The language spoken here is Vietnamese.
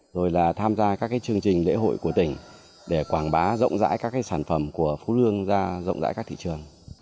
rồi là tham gia các chương trình lễ hội của tỉnh để quảng bá rộng rãi các sản phẩm của phú lương ra rộng rãi các thị trường